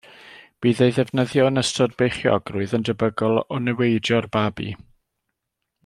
Bydd ei ddefnyddio yn ystod beichiogrwydd yn debygol o niweidio'r babi.